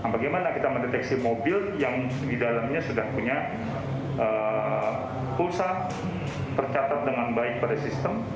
bagaimana kita mendeteksi mobil yang di dalamnya sudah punya pulsa tercatat dengan baik pada sistem